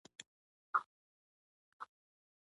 باغ په زړه پورې صحنه نندارې ته ورکوّله.